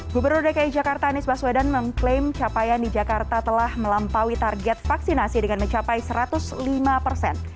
gubernur dki jakarta anies baswedan mengklaim capaian di jakarta telah melampaui target vaksinasi dengan mencapai satu ratus lima persen